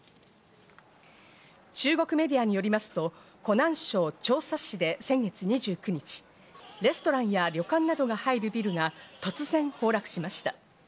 中国メディアによりますと、湖南省長沙市で先月２９日、レストランや旅館などが入るビルが突然、崩落しました。